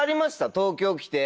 東京来て。